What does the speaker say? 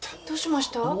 どうしました？